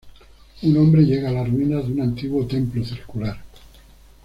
Un hombre llega a las ruinas de un antiguo templo circular.